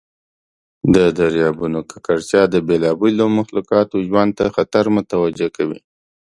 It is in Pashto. د دریابونو ککړتیا د بیلابیلو مخلوقاتو ژوند ته خطر متوجه کوي.